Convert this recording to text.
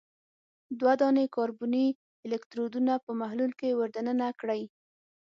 دوه دانې کاربني الکترودونه په محلول کې ور د ننه کړئ.